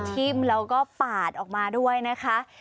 ทิ้มแล้วก็ปาดออกมาด้วยนะคะ